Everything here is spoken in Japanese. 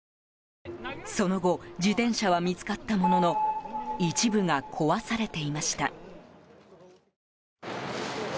その後自転車は見つかったものの一部が壊されていました。